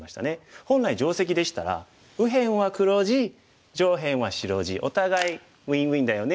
本来定石でしたら右辺は黒地上辺は白地。お互いウインウインだよね。